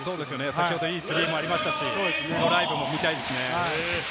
先ほど、いいスリーもありましたし、ドライブ見たいですね。